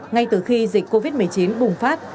ngay từ khi dịch covid một mươi chín bùng phát